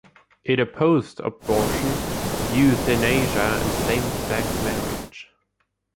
It opposed abortion, euthanasia and same-sex marriage.